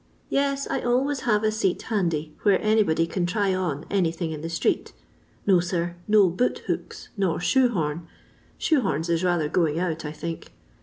Tes, I always have a seat handy where anybody can try on anything in the street ; no, sir, no boot hooks nor shoe horn ; shoe horns is rather going out, I think.